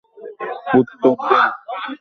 উত্তর দিন।